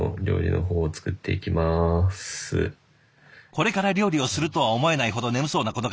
これから料理をするとは思えないほど眠そうなこの方。